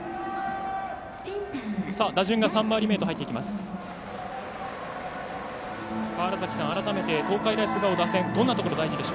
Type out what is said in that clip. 打順が３回り目へと入っていきます。